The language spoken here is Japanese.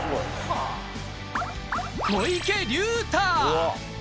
小池龍太。